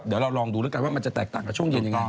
เดี๋ยวเราลองดูแล้วกันว่ามันจะแตกต่างกับช่วงเย็นยังไง